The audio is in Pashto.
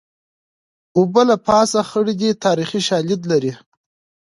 اوبه له پاسه خړې دي تاریخي شالید لري